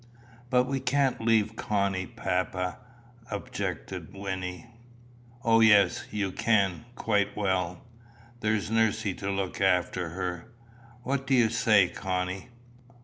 "But we can't leave Connie, papa," objected Wynnie. "O, yes, you can, quite well. There's nursie to look after her. What do you say, Connie?"